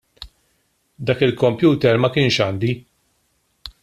Dak il-computer ma kienx għandi.